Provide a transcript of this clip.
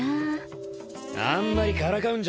あんまりからかうんじゃねえよ。